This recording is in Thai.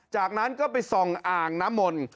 จากนั้นก็ไปส่องอ่างนะมณ